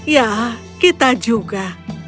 ya kita juga